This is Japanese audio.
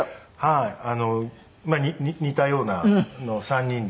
似たようなの３人で。